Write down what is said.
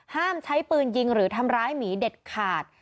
ห้ามใช้ปืนยิงหรือทำร้ายหมีเด็ดขาด